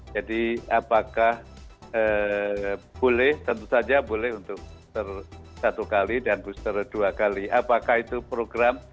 jadi apakah boleh tentu saja boleh untuk booster satu kali dan booster dua kali apakah itu program